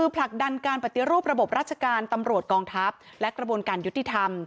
ผลักดันการปฏิรูประบบราชการตำรวจกองทัพและกระบวนการยุติธรรม